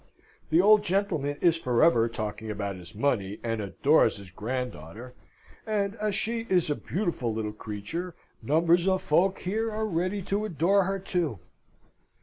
The old gentleman is for ever talking about his money, and adores his granddaughter, and as she is a beautiful little creature, numbers of folk here are ready to adore her too.